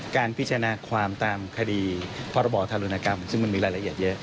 การพิจารณาความตามคดีพรบธารุณกรรมซึ่งมันมีรายละเอียดเยอะ